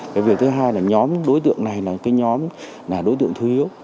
cái việc thứ hai là nhóm đối tượng này là cái nhóm đối tượng thú yếu